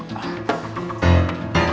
papa gak ada